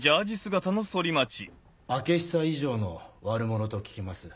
開久以上の悪者と聞きます。